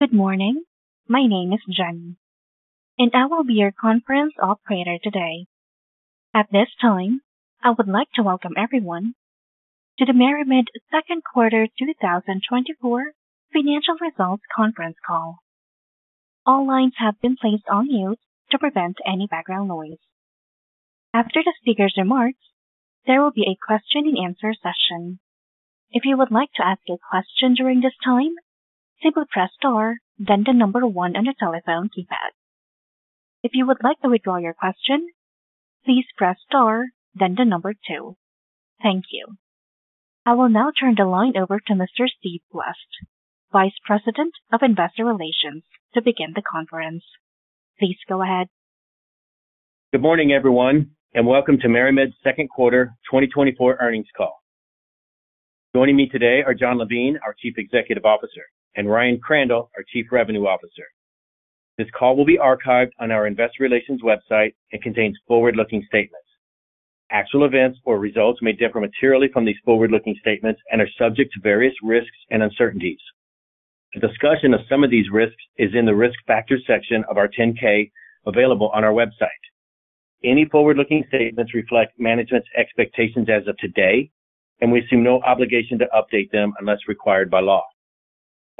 Good morning. My name is Jenny, and I will be your conference operator today. At this time, I would like to welcome everyone to the MariMed Second Quarter 2024 Financial Results Conference Call. All lines have been placed on mute to prevent any background noise. After the speaker's remarks, there will be a question and answer session. If you would like to ask a question during this time, simply press star, then the number one on your telephone keypad. If you would like to withdraw your question, please press star, then the number two. Thank you. I will now turn the line over to Mr. Steve West, Vice President of Investor Relations, to begin the conference. Please go ahead. Good morning, everyone, and welcome to MariMed's Second Quarter 2024 Earnings Call. Joining me today are Jon Levine, our Chief Executive Officer, and Ryan Crandall, our Chief Revenue Officer. This call will be archived on our investor relations website and contains forward-looking statements. Actual events or results may differ materially from these forward-looking statements and are subject to various risks and uncertainties. A discussion of some of these risks is in the Risk Factors section of our 10-K, available on our website. Any forward-looking statements reflect management's expectations as of today, and we assume no obligation to update them unless required by law.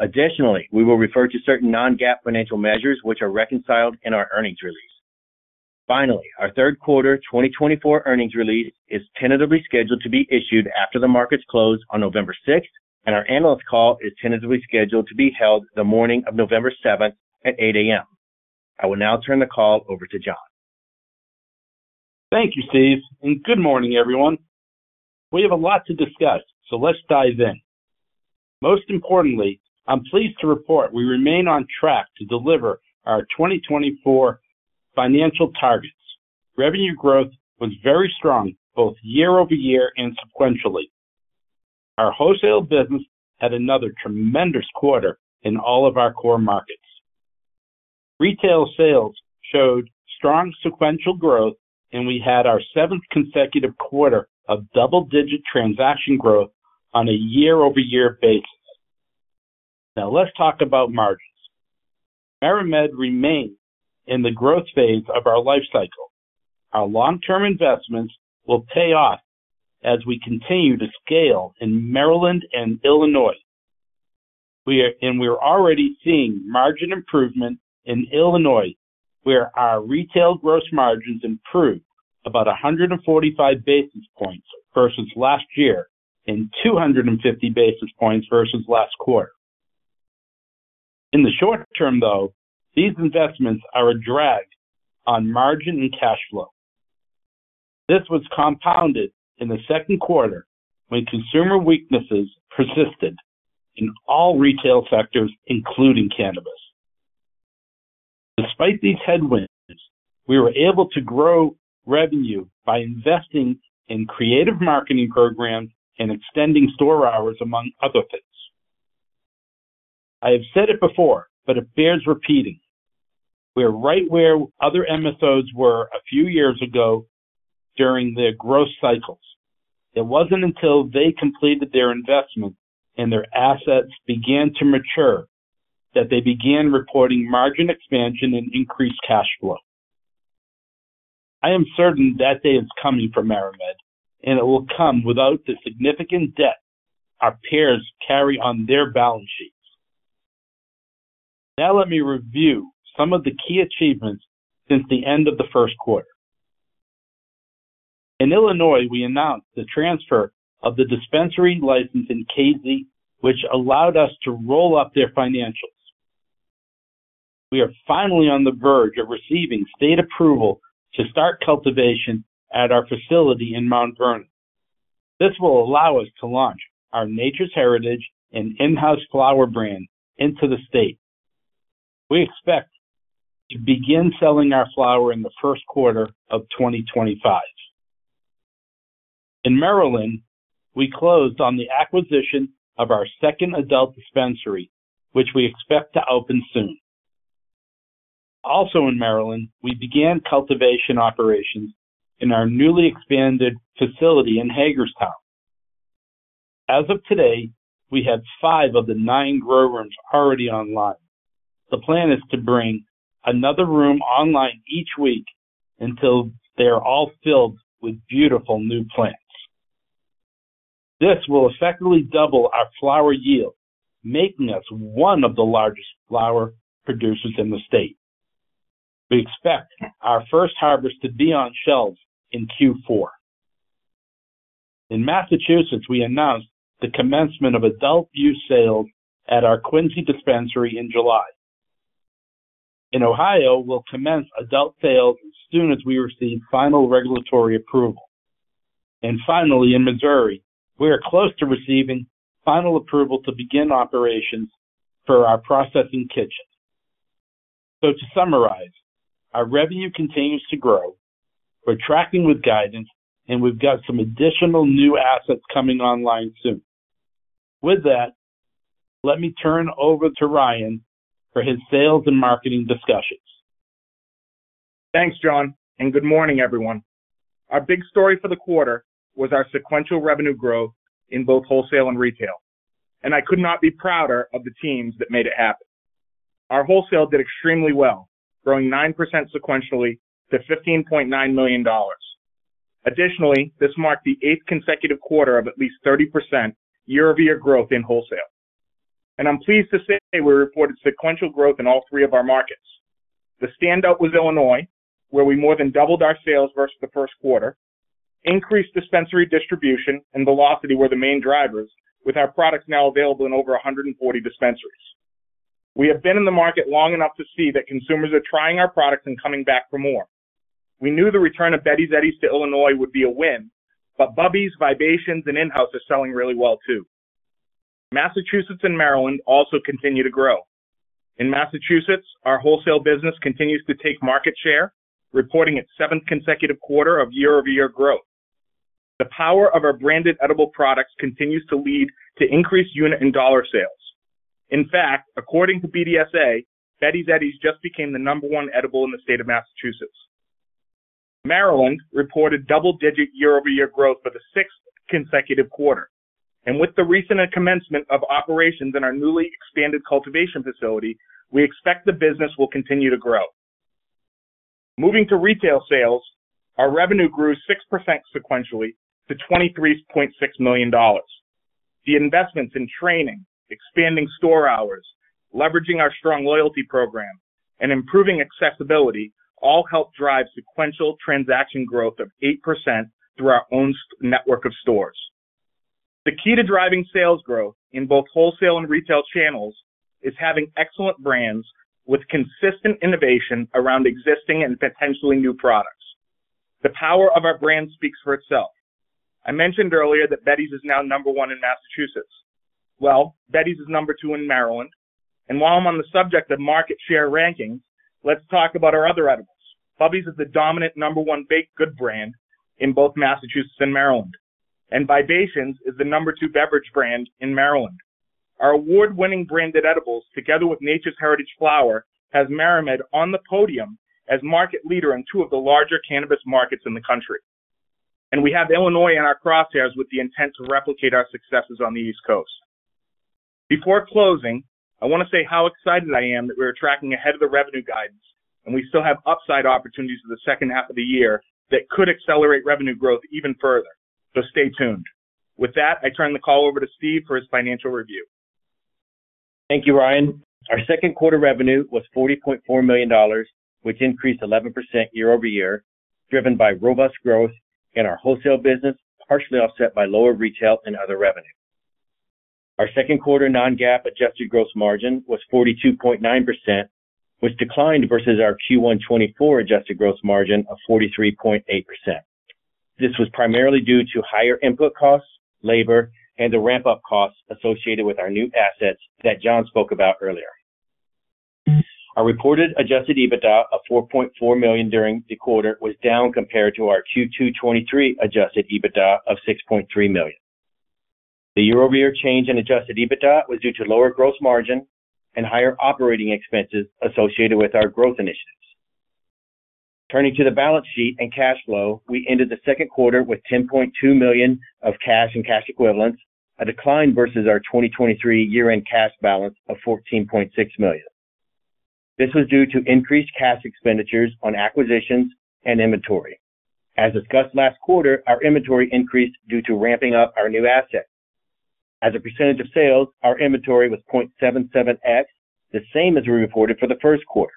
Additionally, we will refer to certain non-GAAP financial measures, which are reconciled in our earnings release. Finally, our third quarter 2024 earnings release is tentatively scheduled to be issued after the markets close on November 6, and our analyst call is tentatively scheduled to be held the morning of November 7 at 8 A.M. I will now turn the call over to Jon. Thank you, Steve, and good morning, everyone. We have a lot to discuss, so let's dive in. Most importantly, I'm pleased to report we remain on track to deliver our 2024 financial targets. Revenue growth was very strong, both year-over-year and sequentially. Our wholesale business had another tremendous quarter in all of our core markets. Retail sales showed strong sequential growth, and we had our seventh consecutive quarter of double-digit transaction growth on a year-over-year basis. Now, let's talk about margins. MariMed remains in the growth phase of our life cycle. Our long-term investments will pay off as we continue to scale in Maryland and Illinois. We are, and we're already seeing margin improvement in Illinois, where our retail gross margins improved about 145 basis points versus last year and 250 basis points versus last quarter. In the short term, though, these investments are a drag on margin and cash flow. This was compounded in the second quarter when consumer weaknesses persisted in all retail sectors, including cannabis. Despite these headwinds, we were able to grow revenue by investing in creative marketing programs and extending store hours, among other things. I have said it before, but it bears repeating: We are right where other MSOs were a few years ago during their growth cycles. It wasn't until they completed their investment and their assets began to mature that they began reporting margin expansion and increased cash flow. I am certain that day is coming for MariMed, and it will come without the significant debt our peers carry on their balance sheets. Now, let me review some of the key achievements since the end of the first quarter. In Illinois, we announced the transfer of the dispensary license in Casey, which allowed us to roll up their financials. We are finally on the verge of receiving state approval to start cultivation at our facility in Mount Vernon. This will allow us to launch our Nature's Heritage and InHouse flower brand into the state. We expect to begin selling our flower in the first quarter of 2025. In Maryland, we closed on the acquisition of our second adult dispensary, which we expect to open soon. Also, in Maryland, we began cultivation operations in our newly expanded facility in Hagerstown. As of today, we have five of the nine grow rooms already online. The plan is to bring another room online each week until they are all filled with beautiful new plants. This will effectively double our flower yield, making us one of the largest flower producers in the state. We expect our first harvest to be on shelves in Q4. In Massachusetts, we announced the commencement of adult-use sales at our Quincy dispensary in July. In Ohio, we'll commence adult sales as soon as we receive final regulatory approval. And finally, in Missouri, we are close to receiving final approval to begin operations for our processing kitchen. So to summarize, our revenue continues to grow. We're tracking with guidance, and we've got some additional new assets coming online soon. With that, let me turn over to Ryan for his sales and marketing discussions. Thanks, Jon, and good morning, everyone. Our big story for the quarter was our sequential revenue growth in both wholesale and retail, and I could not be prouder of the teams that made it happen. Our wholesale did extremely well, growing 9% sequentially to $15.9 million. Additionally, this marked the eighth consecutive quarter of at least 30% year-over-year growth in wholesale. I'm pleased to say we reported sequential growth in all three of our markets. The standout was Illinois, where we more than doubled our sales versus the first quarter. Increased dispensary distribution and velocity were the main drivers, with our products now available in over 140 dispensaries. We have been in the market long enough to see that consumers are trying our products and coming back for more. We knew the return of Betty's Eddies to Illinois would be a win, but Bubby's, Vibations, and InHouse are selling really well too. Massachusetts and Maryland also continue to grow. In Massachusetts, our wholesale business continues to take market share, reporting its seventh consecutive quarter of year-over-year growth. The power of our branded edible products continues to lead to increased unit and dollar sales. In fact, according to BDSA, Betty's Eddies just became the number one edible in the state of Massachusetts. Maryland reported double-digit year-over-year growth for the sixth consecutive quarter, and with the recent commencement of operations in our newly expanded cultivation facility, we expect the business will continue to grow. Moving to retail sales, our revenue grew 6% sequentially to $23.6 million. The investments in training, expanding store hours, leveraging our strong loyalty program, and improving accessibility all helped drive sequential transaction growth of 8% through our own network of stores. The key to driving sales growth in both wholesale and retail channels is having excellent brands with consistent innovation around existing and potentially new products. The power of our brand speaks for itself. I mentioned earlier that Betty's is now number one in Massachusetts. Well, Betty's is number two in Maryland, and while I'm on the subject of market share rankings, let's talk about our other edibles. Bubby's is the dominant number one baked good brand in both Massachusetts and Maryland, and Vibations is the number two beverage brand in Maryland. Our award-winning branded edibles, together with Nature's Heritage flower, has MariMed on the podium as market leader in two of the larger cannabis markets in the country. We have Illinois in our crosshairs with the intent to replicate our successes on the East Coast. Before closing, I want to say how excited I am that we are tracking ahead of the revenue guidance, and we still have upside opportunities in the second half of the year that could accelerate revenue growth even further. Stay tuned. With that, I turn the call over to Steve for his financial review. Thank you, Ryan. Our second quarter revenue was $40.4 million, which increased 11% year-over-year, driven by robust growth in our wholesale business, partially offset by lower retail and other revenue. Our second quarter non-GAAP adjusted gross margin was 42.9%, which declined versus our Q1 2024 adjusted gross margin of 43.8%. This was primarily due to higher input costs, labor, and the ramp-up costs associated with our new assets that Jon spoke about earlier. Our reported adjusted EBITDA of $4.4 million during the quarter was down compared to our Q2 2023 adjusted EBITDA of $6.3 million. The year-over-year change in adjusted EBITDA was due to lower gross margin and higher operating expenses associated with our growth initiatives. Turning to the balance sheet and cash flow, we ended the second quarter with $10.2 million of cash and cash equivalents, a decline versus our 2023 year-end cash balance of $14.6 million. This was due to increased cash expenditures on acquisitions and inventory. As discussed last quarter, our inventory increased due to ramping up our new assets. As a percentage of sales, our inventory was 0.77x, the same as we reported for the first quarter.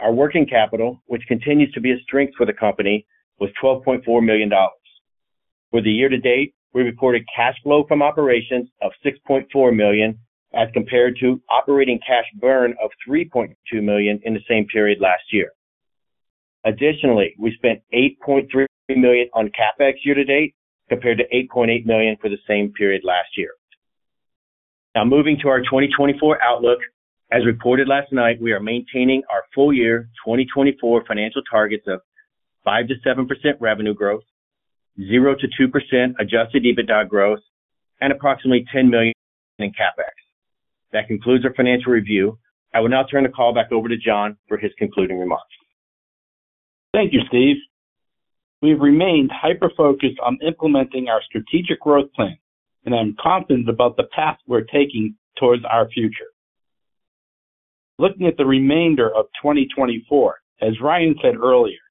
Our working capital, which continues to be a strength for the company, was $12.4 million. For the year to date, we recorded cash flow from operations of $6.4 million, as compared to operating cash burn of $3.2 million in the same period last year. Additionally, we spent $8.3 million on CapEx year to date, compared to $8.8 million for the same period last year. Now moving to our 2024 outlook. As reported last night, we are maintaining our full year 2024 financial targets of 5%-7% revenue growth, 0%-2% adjusted EBITDA growth, and approximately $10 million in CapEx. That concludes our financial review. I will now turn the call back over to Jon for his concluding remarks. Thank you, Steve. We've remained hyper-focused on implementing our strategic growth plan, and I'm confident about the path we're taking towards our future. Looking at the remainder of 2024, as Ryan said earlier,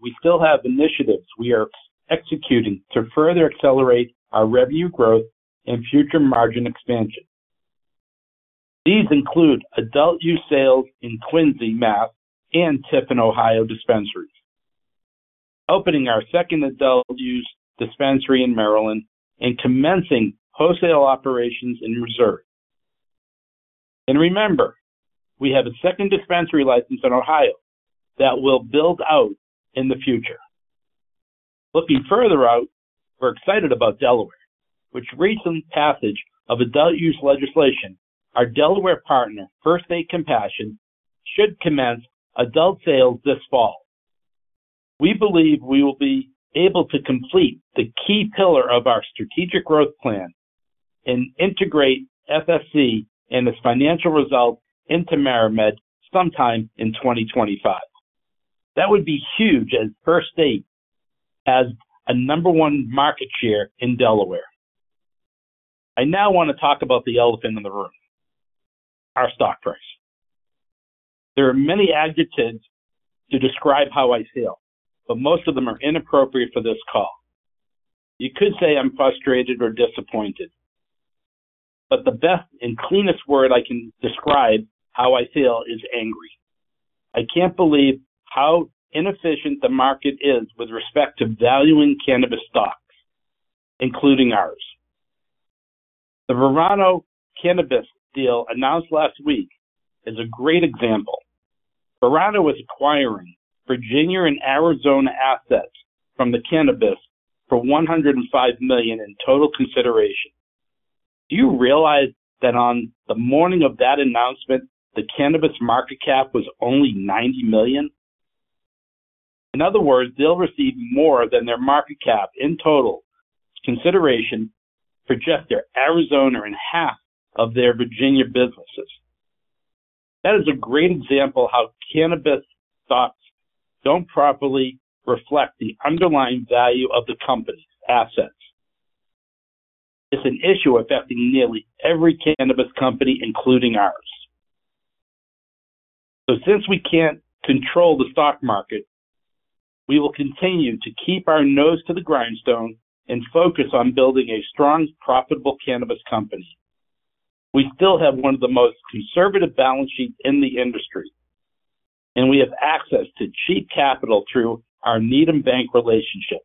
we still have initiatives we are executing to further accelerate our revenue growth and future margin expansion. These include adult-use sales in Quincy, Massachusetts, and Tiffin, Ohio dispensaries, opening our second adult-use dispensary in Maryland and commencing wholesale operations in Missouri. And remember, we have a second dispensary license in Ohio that will build out in the future. Looking further out, we're excited about Delaware, which recent passage of adult-use legislation, our Delaware partner, First State Compassion, should commence adult sales this fall. We believe we will be able to complete the key pillar of our strategic growth plan and integrate FSC and its financial results into MariMed sometime in 2025. That would be huge as First State, as a number one market share in Delaware. I now want to talk about the elephant in the room, our stock price. There are many adjectives to describe how I feel, but most of them are inappropriate for this call. You could say I'm frustrated or disappointed, but the best and cleanest word I can describe how I feel is angry. I can't believe how inefficient the market is with respect to valuing cannabis stocks, including ours. The Verano-Cannabist deal announced last week is a great example. Verano is acquiring Virginia and Arizona assets from The Cannabist for $105 million in total consideration. Do you realize that on the morning of that announcement, The Cannabist market cap was only $90 million? In other words, they'll receive more than their market cap in total consideration for just their Arizona and half of their Virginia businesses. That is a great example how cannabis stocks don't properly reflect the underlying value of the company's assets. It's an issue affecting nearly every cannabis company, including ours. So since we can't control the stock market, we will continue to keep our nose to the grindstone and focus on building a strong, profitable cannabis company. We still have one of the most conservative balance sheets in the industry, and we have access to cheap capital through our Needham Bank relationship.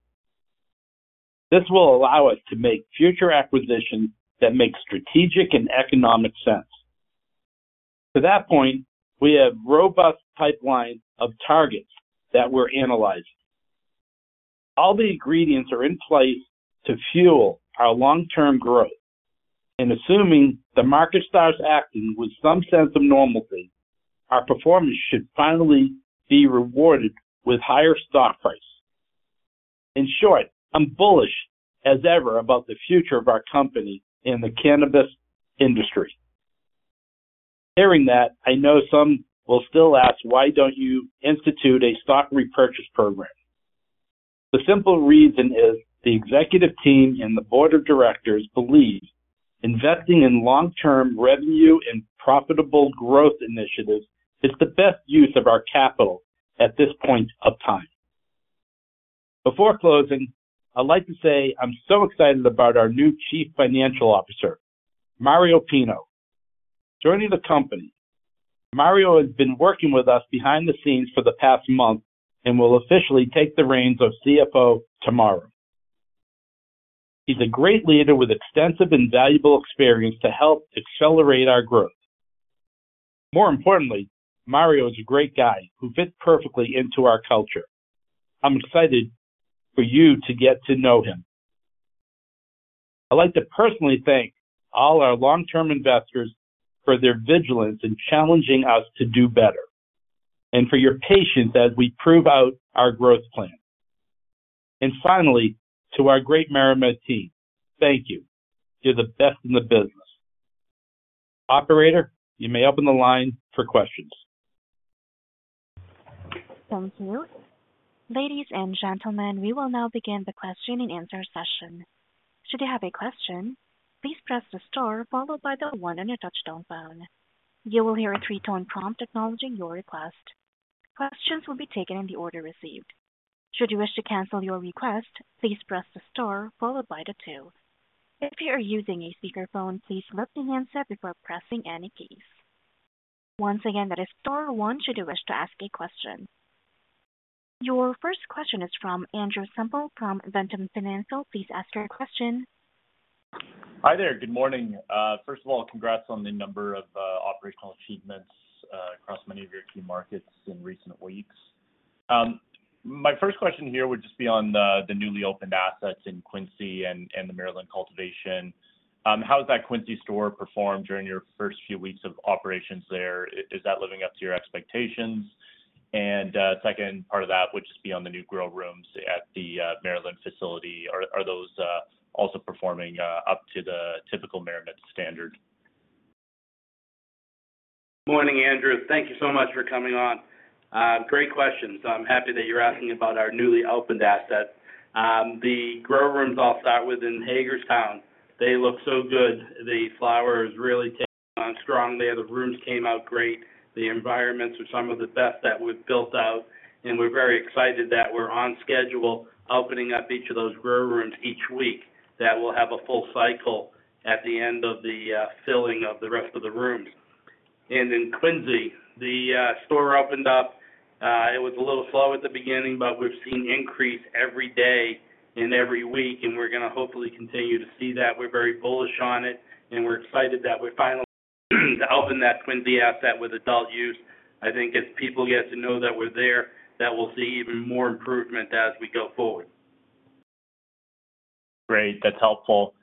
This will allow us to make future acquisitions that make strategic and economic sense. To that point, we have robust pipeline of targets that we're analyzing. All the ingredients are in place to fuel our long-term growth, and assuming the market starts acting with some sense of normalcy, our performance should finally be rewarded with higher stock price. In short, I'm bullish as ever about the future of our company in the cannabis industry. Hearing that, I know some will still ask, why don't you institute a stock repurchase program? The simple reason is the executive team and the Board of Directors believe investing in long-term revenue and profitable growth initiatives is the best use of our capital at this point of time. Before closing, I'd like to say I'm so excited about our new Chief Financial Officer, Mario Pinho, joining the company. Mario has been working with us behind the scenes for the past month and will officially take the reins of CFO tomorrow. He's a great leader with extensive and valuable experience to help accelerate our growth. More importantly, Mario is a great guy who fits perfectly into our culture. I'm excited for you to get to know him. I'd like to personally thank all our long-term investors for their vigilance in challenging us to do better and for your patience as we prove out our growth plan. And finally, to our great MariMed team, thank you. You're the best in the business. Operator, you may open the line for questions. Thank you. Ladies and gentlemen, we will now begin the question and answer session. Should you have a question, please press the star followed by the one on your touchtone phone. You will hear a three-tone prompt acknowledging your request. Questions will be taken in the order received. Should you wish to cancel your request, please press the star followed by the two. If you are using a speakerphone, please lift the handset before pressing any keys. Once again, that is star one, should you wish to ask a question. Your first question is from Andrew Semple from Ventum Financial. Please ask your question. Hi there. Good morning. First of all, congrats on the number of operational achievements across many of your key markets in recent weeks. My first question here would just be on the newly opened assets in Quincy and the Maryland cultivation. How has that Quincy store performed during your first few weeks of operations there? Is that living up to your expectations? And second part of that would just be on the new grow rooms at the Maryland facility. Are those also performing up to the typical MariMed standard? Morning, Andrew. Thank you so much for coming on. Great questions. I'm happy that you're asking about our newly opened assets. The grow rooms, I'll start with in Hagerstown. They look so good. The flowers really came on strong there. The rooms came out great. The environments are some of the best that we've built out, and we're very excited that we're on schedule, opening up each of those grow rooms each week. That we'll have a full cycle at the end of the filling of the rest of the rooms. And in Quincy, the store opened up. It was a little slow at the beginning, but we've seen increase every day and every week, and we're going to hopefully continue to see that. We're very bullish on it, and we're excited that we're finally opening that Quincy asset with adult-use. I think as people get to know that we're there, that we'll see even more improvement as we go forward. Great, that's helpful.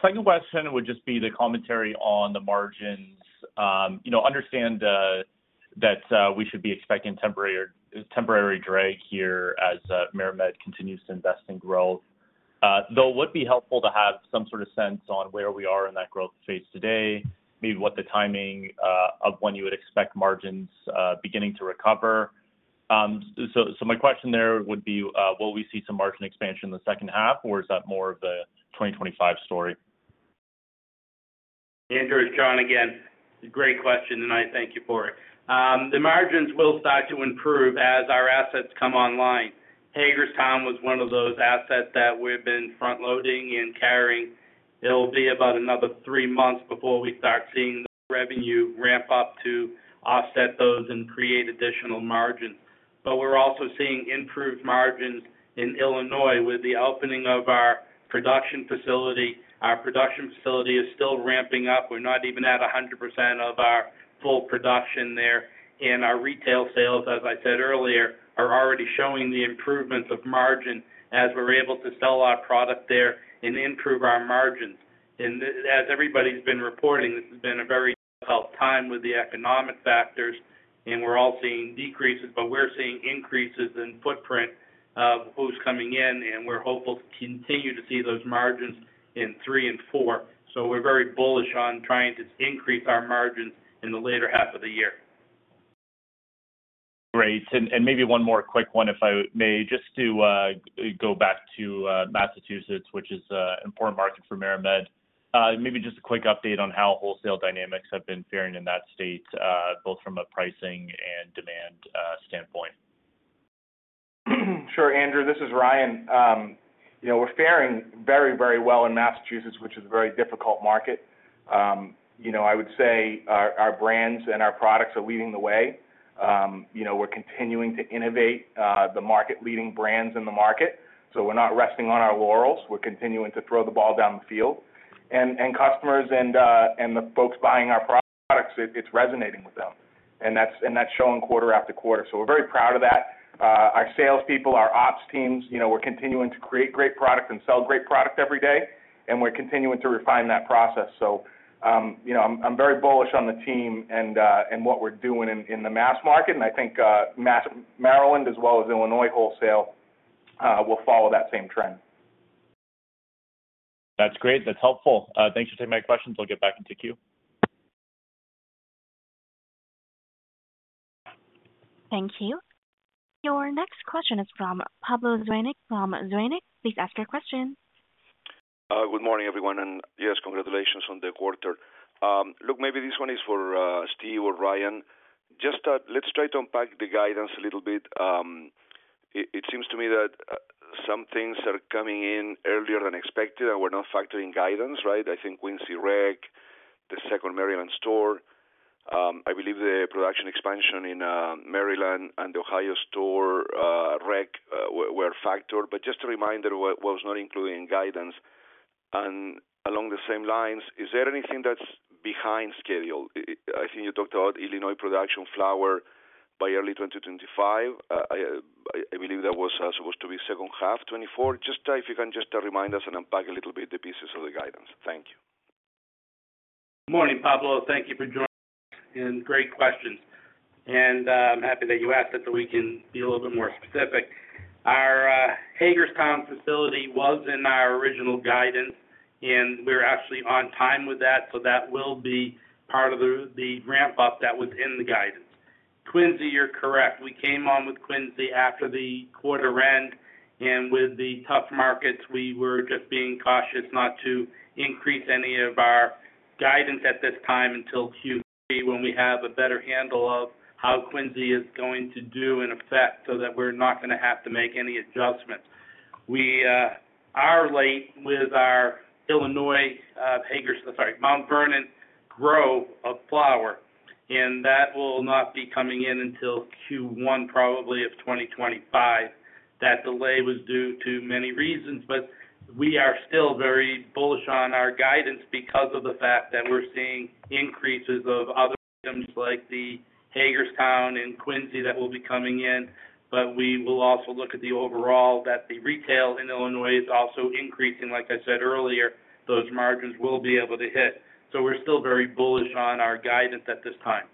Second question would just be the commentary on the margins. You know, understand that we should be expecting temporary or temporary drag here as MariMed continues to invest in growth. Though it would be helpful to have some sort of sense on where we are in that growth phase today, maybe what the timing of when you would expect margins beginning to recover. So, my question there would be, will we see some margin expansion in the second half, or is that more of the 2025 story? Andrew, it's Jon again. Great question, and I thank you for it. The margins will start to improve as our assets come online. Hagerstown was one of those assets that we've been front-loading and carrying. It'll be about another three months before we start seeing the revenue ramp up to offset those and create additional margins. But we're also seeing improved margins in Illinois with the opening of our production facility. Our production facility is still ramping up. We're not even at 100% of our full production there, and our retail sales, as I said earlier, are already showing the improvements of margin as we're able to sell our product there and improve our margins. As everybody's been reporting, this has been a very difficult time with the economic factors, and we're all seeing decreases, but we're seeing increases in footprint of who's coming in, and we're hopeful to continue to see those margins in three and four. We're very bullish on trying to increase our margins in the later half of the year. Great. And maybe one more quick one, if I may, just to go back to Massachusetts, which is an important market for MariMed. Maybe just a quick update on how wholesale dynamics have been faring in that state, both from a pricing and demand standpoint. Sure, Andrew, this is Ryan. You know, we're faring very, very well in Massachusetts, which is a very difficult market. You know, I would say our, our brands and our products are leading the way. You know, we're continuing to innovate, the market-leading brands in the market, so we're not resting on our laurels. We're continuing to throw the ball down the field. And customers and the folks buying our products, it's resonating with them, and that's showing quarter after quarter. So we're very proud of that. Our salespeople, our ops teams, you know, we're continuing to create great product and sell great product every day, and we're continuing to refine that process. So, you know, I'm very bullish on the team and what we're doing in the mass market, and I think Maryland, as well as Illinois wholesale, will follow that same trend. That's great. That's helpful. Thanks for taking my questions. I'll get back into queue. Thank you. Your next question is from Pablo Zuanic from Zuanic. Please ask your question. Good morning, everyone, and yes, congratulations on the quarter. Look, maybe this one is for Steve or Ryan. Just, let's try to unpack the guidance a little bit. It seems to me that some things are coming in earlier than expected and were not factored in guidance, right? I think Quincy rec, the second Maryland store, I believe the production expansion in Maryland and Ohio store rec were factored, but just a reminder, was not included in guidance. Along the same lines, is there anything that's behind schedule? I think you talked about Illinois production flower by early 2025. I believe that was supposed to be second half 2024. Just, if you can just remind us and unpack a little bit the pieces of the guidance. Thank you. Morning, Pablo. Thank you for joining. And great questions. And, I'm happy that you asked it so we can be a little bit more specific. Our, Hagerstown facility was in our original guidance, and we're actually on time with that, so that will be part of the, the ramp-up that was in the guidance. Quincy, you're correct. We came on with Quincy after the quarter end, and with the tough markets, we were just being cautious not to increase any of our guidance at this time until Q3, when we have a better handle of how Quincy is going to do and affect, so that we're not gonna have to make any adjustments. We, are late with our Illinois, Hagerstown, sorry, Mount Vernon grow of flower, and that will not be coming in until Q1, probably of 2025. That delay was due to many reasons, but we are still very bullish on our guidance because of the fact that we're seeing increases of other items like the Hagerstown and Quincy that will be coming in. We will also look at the overall, that the retail in Illinois is also increasing. Like I said earlier, those margins will be able to hit, so we're still very bullish on our guidance at this time.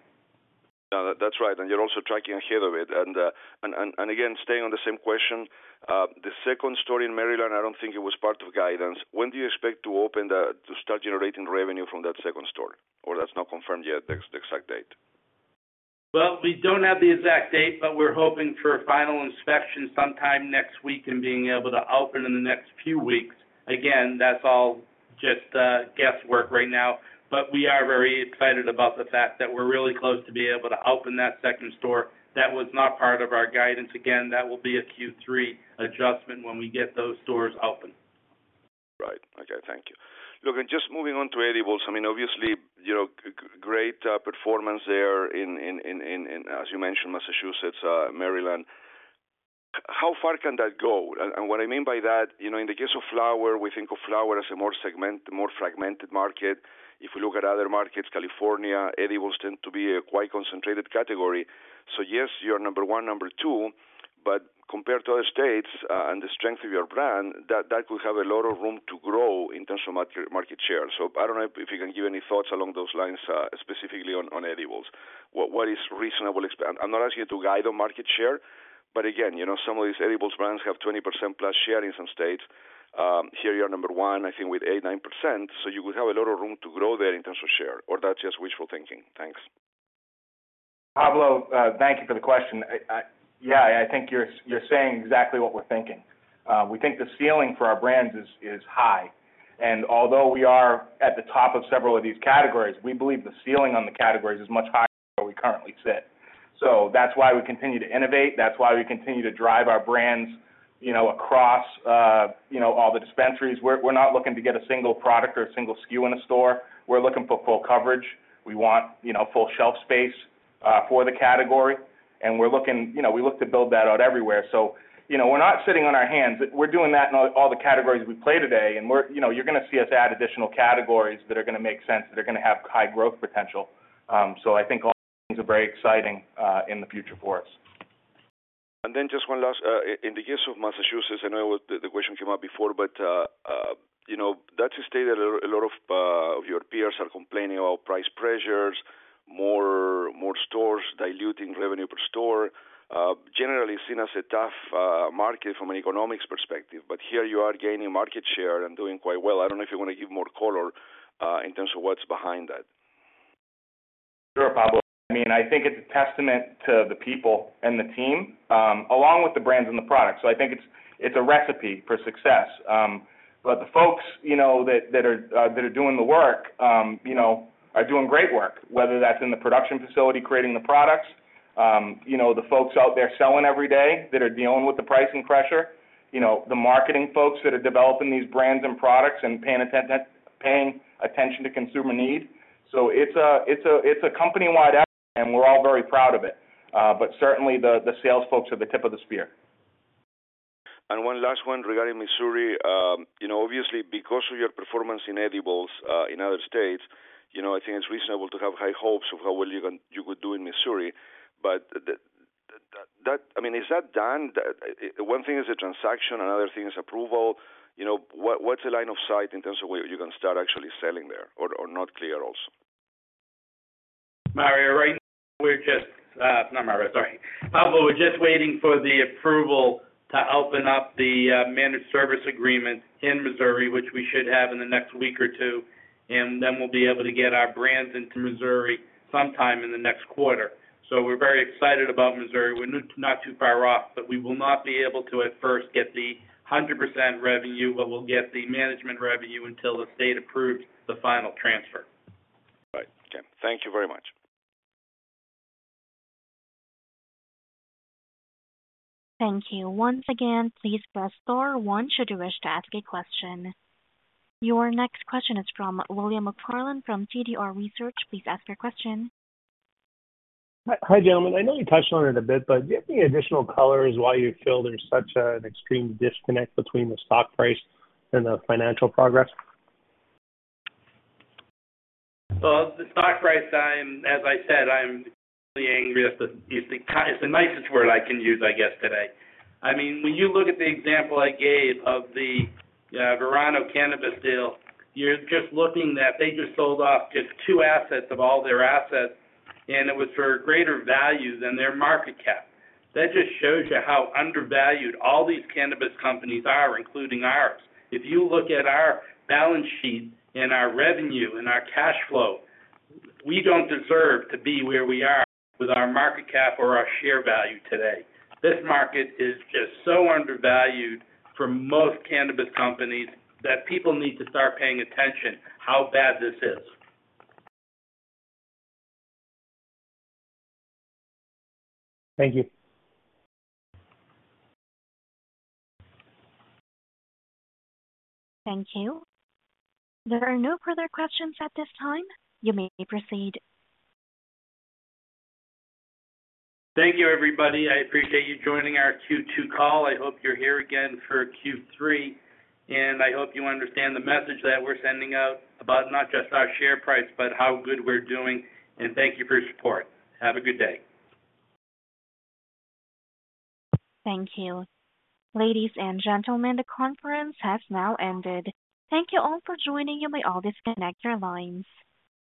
No, that's right, and you're also tracking ahead of it. And again, staying on the same question, the second store in Maryland, I don't think it was part of guidance. When do you expect to open the, to start generating revenue from that second store? Or that's not confirmed yet, the exact date? Well, we don't have the exact date, but we're hoping for a final inspection sometime next week and being able to open in the next few weeks. Again, that's all just guesswork right now, but we are very excited about the fact that we're really close to being able to open that second store. That was not part of our guidance. Again, that will be a Q3 adjustment when we get those stores open. Right. Okay, thank you. Look, and just moving on to edibles, I mean, obviously, you know, great performance there in, as you mentioned, Massachusetts, Maryland. How far can that go? And what I mean by that, you know, in the case of flower, we think of flower as a more fragmented market. If you look at other markets, California, edibles tend to be a quite concentrated category. So yes, you are number one, number two, but compared to other states, and the strength of your brand, that could have a lot of room to grow in terms of market share. So I don't know if you can give any thoughts along those lines, specifically on edibles. What is reasonable expand? I'm not asking you to guide on market share, but again, you know, some of these edibles brands have 20%+ share in some states. Here you are number one, I think with 8%-9%, so you would have a lot of room to grow there in terms of share, or that's just wishful thinking? Thanks. Pablo, thank you for the question. Yeah, I think you're saying exactly what we're thinking. We think the ceiling for our brands is high, and although we are at the top of several of these categories, we believe the ceiling on the categories is much higher than where we currently sit. So that's why we continue to innovate, that's why we continue to drive our brands, you know, across all the dispensaries. We're not looking to get a single product or a single SKU in a store. We're looking for full coverage. We want full shelf space for the category, and we look to build that out everywhere. So, you know, we're not sitting on our hands. We're doing that in all the categories we play today, and we're, you know, you're gonna see us add additional categories that are gonna make sense, that are gonna have high growth potential. So I think all things are very exciting, in the future for us. And then just one last, in the case of Massachusetts, I know the question came up before, but, you know, that's a state that a lot, a lot of, of your peers are complaining about price pressures, more, more stores diluting revenue per store. Generally seen as a tough, market from an economics perspective. But here you are gaining market share and doing quite well. I don't know if you want to give more color, in terms of what's behind that. Sure, Pablo. I mean, I think it's a testament to the people and the team, along with the brands and the products. So I think it's, it's a recipe for success. But the folks, you know, that, that are, that are doing the work, you know, are doing great work, whether that's in the production facility, creating the products, you know, the folks out there selling every day, that are dealing with the pricing pressure, you know, the marketing folks that are developing these brands and products and paying attention, paying attention to consumer need. So it's a, it's a, it's a company-wide effort, and we're all very proud of it. But certainly the, the sales folks are the tip of the spear. One last one regarding Missouri. You know, obviously, because of your performance in edibles in other states, you know, I think it's reasonable to have high hopes of how well you can- you would do in Missouri, but the that, I mean, is that done? One thing is a transaction, another thing is approval. You know, what, what's the line of sight in terms of where you're going to start actually selling there, or not clear also? Mario, right, we're, just not Mario, sorry. Pablo, we're just waiting for the approval to open up the managed service agreement in Missouri, which we should have in the next week or two, and then we'll be able to get our brands into Missouri sometime in the next quarter. So we're very excited about Missouri. We're not too far off, but we will not be able to at first get the 100% revenue, but we'll get the management revenue until the state approves the final transfer. Right. Okay. Thank you very much. Thank you. Once again, please press star one should you wish to ask a question. Your next question is from William McNarland from TDR Research. Please ask your question. Hi, gentlemen. I know you touched on it a bit, but do you have any additional colors why you feel there's such an extreme disconnect between the stock price and the financial progress? Well, the stock price, I'm, as I said, I'm really angry. It's the, it's the nicest word I can use, I guess, today. I mean, when you look at the example I gave of the Verano-Cannabist deal, you're just looking that they just sold off just two assets of all their assets, and it was for greater value than their market cap. That just shows you how undervalued all these cannabis companies are, including ours. If you look at our balance sheet and our revenue and our cash flow, we don't deserve to be where we are with our market cap or our share value today. This market is just so undervalued for most cannabis companies, that people need to start paying attention how bad this is. Thank you. Thank you. There are no further questions at this time. You may proceed. Thank you, everybody. I appreciate you joining our Q2 call. I hope you're here again for Q3, and I hope you understand the message that we're sending out about not just our share price, but how good we're doing. Thank you for your support. Have a good day. Thank you. Ladies and gentlemen, the conference has now ended. Thank you all for joining. You may all disconnect your lines.